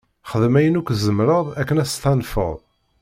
Xdem ayen akk tzemreḍ akken ad s-tanfeḍ.